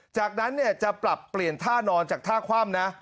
จากนั้นจะปรับเปลี่ยนท่านอนจากท่าคว่ำนะ